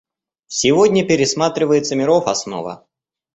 Сегодня пересматривается миров основа.